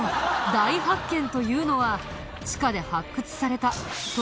大発見というのは地下で発掘された博士！